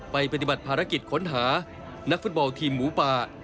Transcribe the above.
ปฏิบัติภารกิจค้นหานักฟุตบอลทีมหมูป่า